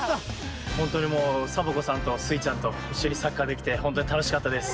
ほんとにもうサボ子さんとスイちゃんといっしょにサッカーできてほんとにたのしかったです。